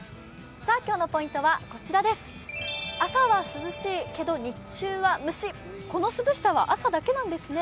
今日のポイントはこちらです、朝は涼しいけど日中はムシッこの涼しさは朝だけなんですね？